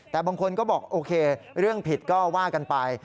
แต่บางคนก็บอกโอเคเรื่องผิดก็ว่ากันไป